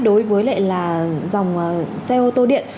đối với lại là dòng xe ô tô điện